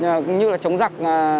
cũng như là chống giặc